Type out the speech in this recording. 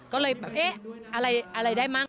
ก็เลยแบบเอ๊ะอะไรได้มั้